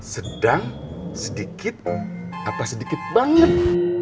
sedang sedikit apa sedikit banget